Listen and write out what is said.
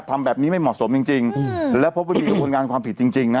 ทำแบบนี้ไม่เหมาะสมจริงจริงแล้วพบว่ามีกระบวนการความผิดจริงจริงนะ